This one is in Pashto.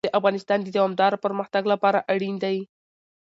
هندوکش د افغانستان د دوامداره پرمختګ لپاره اړین دي.